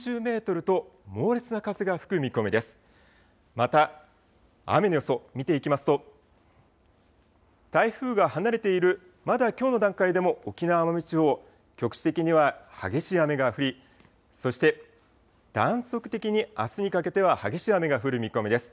また雨の予想、見ていきますと、台風が離れているまだきょうの段階でも沖縄・奄美地方、局地的には激しい雨が降り、そして、断続的にあすにかけては激しい雨が降る見込みです。